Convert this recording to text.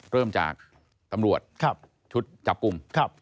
เริ่มจากตำรวจชุดจับกลุ่ม